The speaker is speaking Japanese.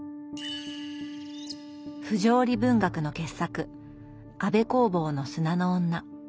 不条理文学の傑作安部公房の「砂の女」。